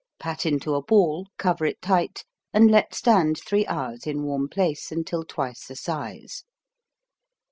Pat into a ball, cover it tight and let stand 3 hours in warm place until twice the size.